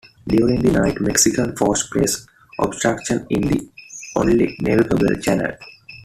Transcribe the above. During the night, Mexican forces placed obstructions in the only navigable channel.